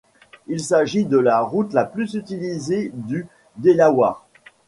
Il s'agit de la route la plus utilisée du Delaware.